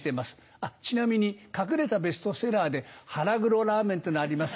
あっちなみに隠れたベストセラーで腹黒ラーメンってのあります